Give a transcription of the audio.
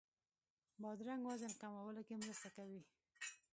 بادرنګ وزن کمولو کې مرسته کوي.